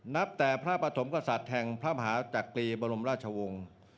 นับแต่พระปฐมกษัตริย์แห่งพระมหาจักรีบรมราชวงศ์